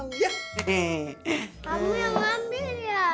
kamu yang ngambil ya